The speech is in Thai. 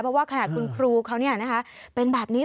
เพราะว่าขนาดคุณครูเขาเป็นแบบนี้